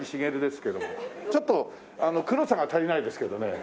ちょっと黒さが足りないですけどね。